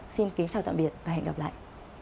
xin kính chào tạm biệt và hẹn gặp lại